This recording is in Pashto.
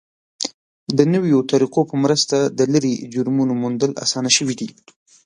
د نویو طریقو په مرسته د لرې جرمونو موندل اسانه شوي دي.